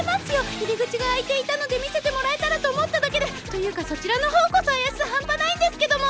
入り口が開いていたので見せてもらえたらと思っただけで！というかそちらの方こそ怪しさ半端ないんですけども！